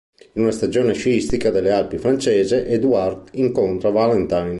In una stazione sciistica delle Alpi francesi, Edouard incontra Valentine.